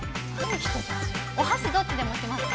お箸どっちで持ちますか？